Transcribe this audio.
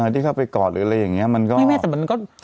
ที่เขาไปกอดหรืออะไรอย่างนี้มันก็